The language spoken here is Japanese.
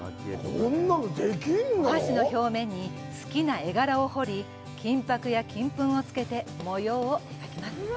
お箸の表面に好きな絵柄を彫り金箔や金粉をつけて模様を描きます。